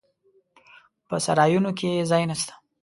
په سرایونو کې ځای نسته.